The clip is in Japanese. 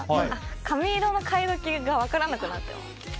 髪色の変え時が分からなくなってます。